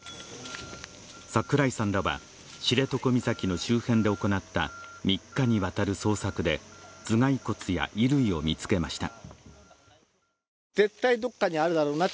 桜井さんらは、知床岬の周辺で行った３日にわたる捜索で、頭蓋骨や衣類を見つけました。